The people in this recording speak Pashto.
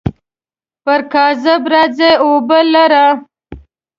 پر کاذب راځي اوبو لره.